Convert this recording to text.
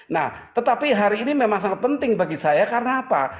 nah tetapi hari ini memang sangat penting bagi saya karena apa